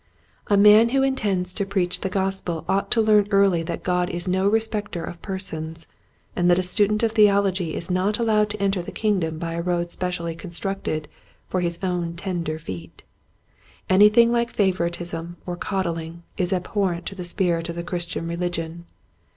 A man who intends to preach the Gospel ought to learn early that God is no respecter of persons, and that a student of theology is not allowed to enter the Kingdom by a road specially constructed for his own tender feet. Anything like favoritism or coddling is abhorrent to the spirit of the Christian religion.